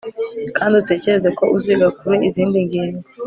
kandi utekereze ko uziga kure izindi ngingo